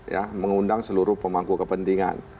ya mengundang seluruh pemangku kepentingan